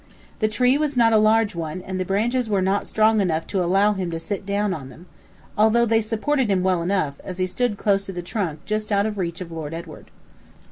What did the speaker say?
The tree was not a large one, and the branches were not strong enough to allow him to sit down on them, although they supported him well enough, as he stood close to the trunk just out of reach of Lord Edward.